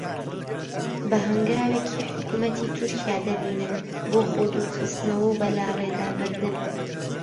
بە هەنگاوێکی حکوومەتی تورکیا دەبینن بۆ خۆدوورخستنەوە و بەلاڕێدابردن